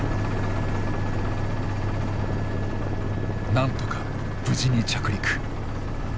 なんとか無事に着陸。